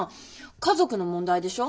家族の問題でしょ。